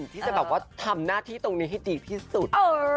ที่จะทำหน้าที่ก่อนตรงนี้ที่สุด